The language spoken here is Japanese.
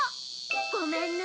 ごめんね。